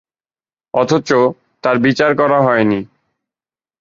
অথচ তাঁর বিচার করা হয়নি।